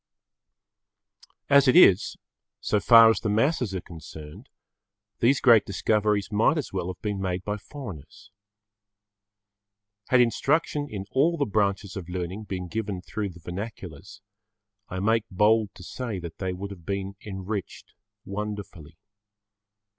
As it is, so far as the masses are concerned, those[Pg 15] great discoveries might as well have been made by foreigners. Had instruction in all the branches of learning been given through the vernaculars, I make bold to say that they would have been enriched wonderfully.